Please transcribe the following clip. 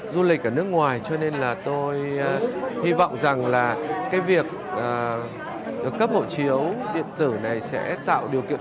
du lịch ở nước ngoài cho nên là tôi hy vọng rằng là cái việc cấp hộ chiếu điện tử này sẽ tạo điều kiện